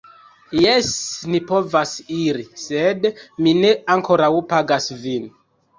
Jes, ni povas iri, sed mi ne ankoraŭ pagas vin